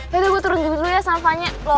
yaudah gue turun dulu ya sampahnya